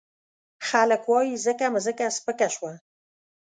خلګ وايي ځکه مځکه سپکه شوه.